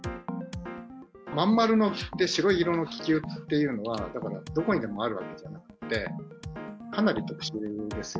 まん丸の白色の気球って、どこにでもあるわけじゃなくて、かなり特殊です。